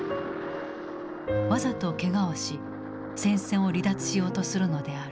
わざとけがをし戦線を離脱しようとするのである。